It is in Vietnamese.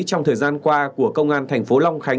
trong thời gian qua của công an thành phố long khánh